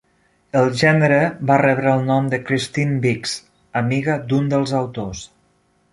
El gènere va rebre el nom de Christine Biggs, amiga d'un dels autors.